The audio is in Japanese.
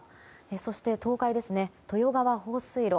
そして、東海は豊川放水路